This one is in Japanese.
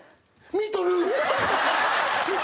見とる！